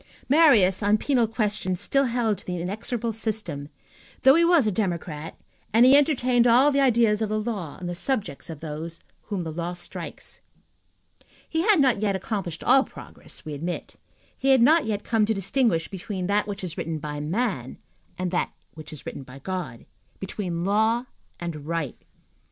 Marius, on penal questions, still held to the inexorable system, though he was a democrat and he entertained all the ideas of the law on the subject of those whom the law strikes. He had not yet accomplished all progress, we admit. He had not yet come to distinguish between that which is written by man and that which is written by God, between law and right.